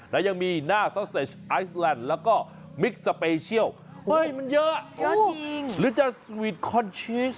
แล้วยังมีหน้าซอสเซจไอศแลนด์แล้วก็มิคสเปเชียลมันเยอะหรือจะสวีทคอร์นชีส